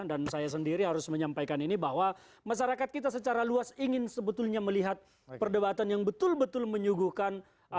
dan saya sendiri harus menyampaikan ini bahwa masyarakat kita secara luas ingin sebetulnya melihat perdebatan yang betul betul menyuguhkan